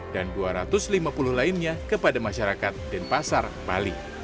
dan dua ratus lima puluh lainnya kepada masyarakat denpasar bali